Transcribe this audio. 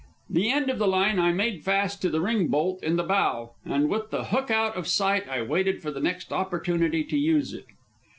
The end of the line I made fast to the ring bolt in the bow, and with the hook out of sight I waited for the next opportunity to use it.